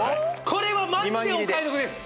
これはマジでお買い得です